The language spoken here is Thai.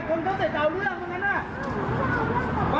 โอ้โห